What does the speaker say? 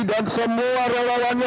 dan semua relawannya